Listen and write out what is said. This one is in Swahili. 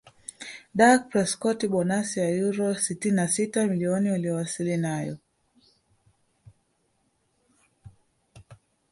Dak Prescot Bonasi ya uro sitini na sita milioni aliyowasili nayo